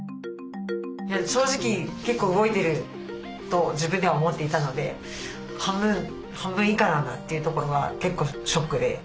正直結構動いてると自分では思っていたので半分以下なんだというところは結構ショックで。